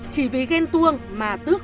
chỉ vì ghen tuông mà tước